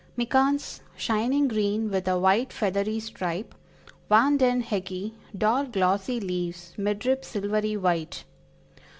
Mikans, shining green with a white feathery stripe. Van den Heckii, dark glossy leaves, mid rib silvery white.